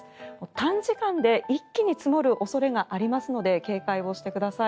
短時間で一気に積もる恐れがありますので警戒をしてください。